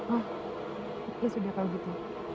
oh ya sudah tahu gitu terima kasih ya